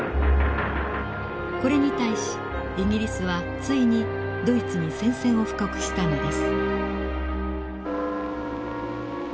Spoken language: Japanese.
これに対しイギリスはついにドイツに宣戦を布告したのです。